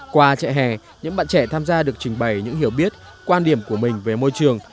qua trại hè những bạn trẻ tham gia được trình bày những hiểu biết quan điểm của mình về môi trường